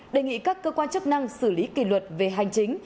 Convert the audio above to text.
đề nghị các cơ quan chức năng xử lý kỷ luật về hành chính